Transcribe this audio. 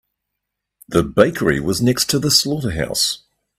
The bakery was next to the slaughterhouse.